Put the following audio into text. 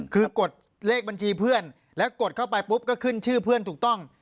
คือกดเลขบัญชีเพื่อนแล้วกดเข้าไปปุ๊บก็ขึ้นชื่อเพื่อนถูกต้อง